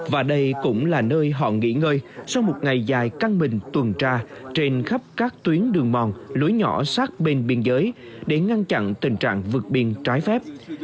và đây cũng là nơi họ nghỉ ngơi sau một ngày dài căng mình tuần tra trên khắp các tuyến đường mòn lối nhỏ sát bên biên giới để ngăn chặn tình trạng vượt biên trái phép